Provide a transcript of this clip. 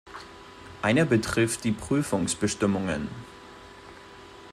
Einer betrifft die Prüfungsbestimmungen.